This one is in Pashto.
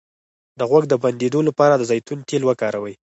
د غوږ د بندیدو لپاره د زیتون تېل وکاروئ